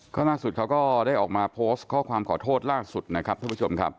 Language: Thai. ก็ล่าสุดเขาก็ได้ออกมาโพสต์ข้อความขอโทษล่าสุดนะครับท่านผู้ชมครับ